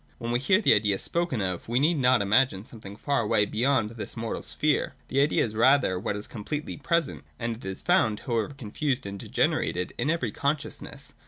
When we hear the Idea spoken of, we need not imagine something far away beyond this mortal sphere. The idea is rather what is completely present : and it is found, however confused and degenerated, in every consciousness.